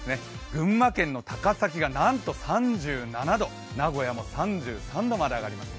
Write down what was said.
群馬県の高崎がなんと３７度、名古屋も３３度まで上がります。